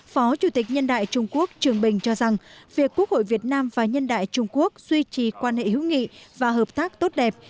phó chủ tịch nhân đại trung quốc trường bình cho rằng việc quốc hội việt nam và nhân đại trung quốc duy trì quan hệ hữu nghị và hợp tác tốt đẹp